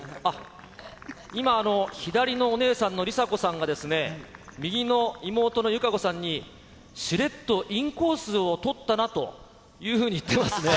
今、左のお姉さんの梨紗子さんがですね、右の妹の友香子さんに、しれっとインコースを取ったなというふうに言ってますね。